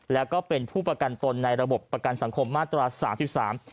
แล้วก็เป็นผู้ประกันตนในระบบประกันสังคมมาตราสามสิบสาม